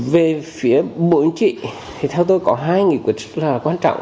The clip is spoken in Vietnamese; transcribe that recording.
về phía bộ chính trị thì theo tôi có hai nghị quyết rất là quan trọng